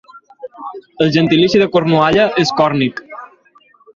El gentilici de Cornualla és còrnic.